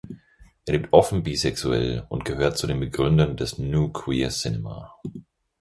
Er lebt offen bisexuell und gehört zu den Begründern des New Queer Cinema.